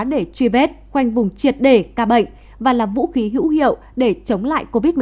để truy bết khoanh vùng triệt đề ca bệnh và làm vũ khí hữu hiệu để chống lại covid một mươi chín